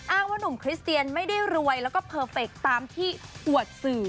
ว่าหนุ่มคริสเตียนไม่ได้รวยแล้วก็เพอร์เฟคตามที่อวดสื่อ